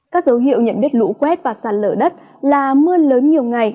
các dấu hiệu nhận biết lũ quét và sạt lở đất là mưa lớn nhiều ngày